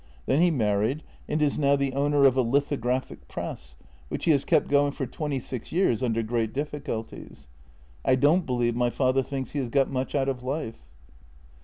Then he married, and is now the owner of a lithographic press, which he has kept going for twenty six years under great difficulties. I don't believe my father thinks he has got much out of life."